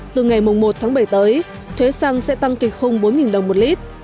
từ ngày một tháng bảy tới thuế xăng sẽ tăng kịch khung bốn đồng một lít